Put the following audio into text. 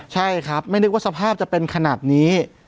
ใช่ครับไม่นึกว่าสภาพจะเป็นขนาดนี้